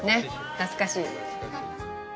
懐かしい。